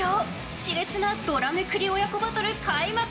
熾烈なドラめくり親子バトル開幕！